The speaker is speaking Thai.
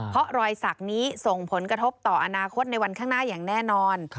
เพราะรอยสักนี้ส่งผลกระทบต่ออนาคตในวันข้างหน้าอย่างแน่นอน